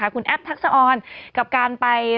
คุณแอปทักษะออนกับการไป